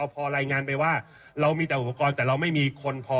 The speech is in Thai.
พอรายงานไปว่าเรามีแต่อุปกรณ์แต่เราไม่มีคนพอ